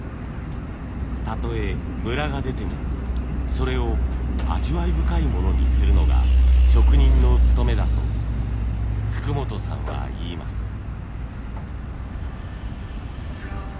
たとえムラが出てもそれを味わい深いものにするのが職人の務めだと福本さんはいいます。